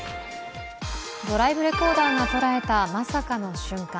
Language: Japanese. ドライブレコーダーが捉えたまさかの瞬間。